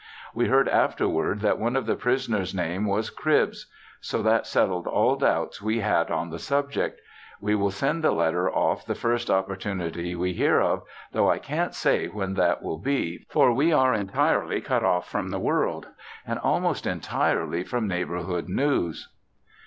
We heard afterward that one of the prisoners' name was "Cribbs," so that settled all doubts we had on the subject. We will send the letter off the first opportunity we hear of, tho' I can't say when that will be, for we are entirely cut off from the world and almost entirely from neighborhood news.